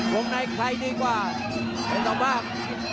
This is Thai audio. งในใครดีกว่าเป็นสองภาค